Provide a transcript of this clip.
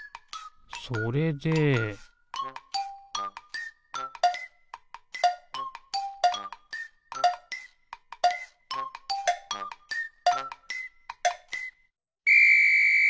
それでピッ！